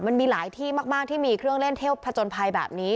มันมีหลายที่มากที่มีเครื่องเล่นเทพผจญภัยแบบนี้